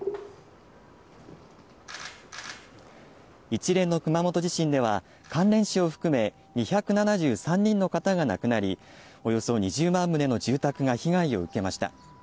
一連の熊本地震では、関連死を含め２７３人の方が亡くなり、およそ２０万棟の住宅が被害を受けました。